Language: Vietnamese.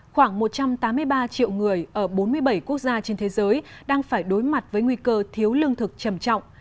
khoảng một trăm tám mươi ba triệu người ở bốn mươi bảy quốc gia trên thế giới đang phải đối mặt với nguy cơ thiếu lương thực trầm trọng